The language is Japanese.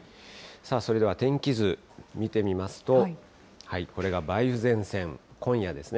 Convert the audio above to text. それでは天気図見てみますと、これが梅雨前線、今夜ですね。